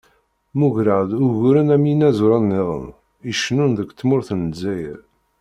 Mmugreɣ-d uguren am yinaẓuren-nniḍen, icennun deg tmurt n Lezzayer.